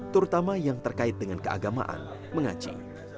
terutama yang terkait dengan keagamaan mengaji